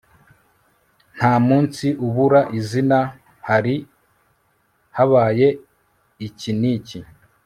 nta munsi ubura izina, hari habaye iki n'iki»